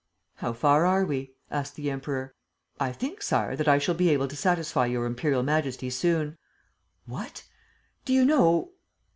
"How far are we?" asked the Emperor. "I think, Sire, that I shall be able to satisfy Your Imperial Majesty soon." "What? Do you know